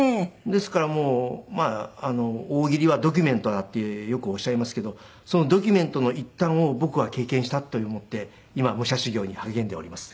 ですからもう大喜利はドキュメントだってよくおっしゃいますけどそのドキュメントの一端を僕は経験したと思って今武者修行に励んでおります。